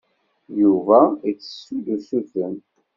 Yuba ittessu-d usuten.